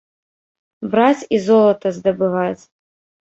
Браць і золата здабываць!